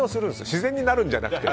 自然になるんじゃなくて。